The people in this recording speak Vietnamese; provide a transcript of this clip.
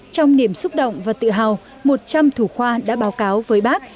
trong niềm xúc động và tự hào một trăm linh thủ khoa đã báo cáo với bác